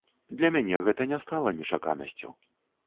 Для мяне гэта не стала нечаканасцю.